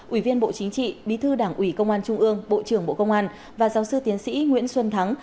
ủy viên bộ chính trị bí thư đảng ủy công an trung ương bộ trưởng bộ công an và giáo sư tiến sĩ nguyễn xuân thắng